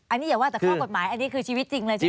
อันนี้อย่าว่าแต่ข้อกฎหมายอันนี้คือชีวิตจริงเลยใช่ไหม